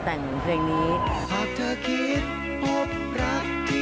ก็เป็นเพลงเจ้าสาวที่กลัวขนนะคะ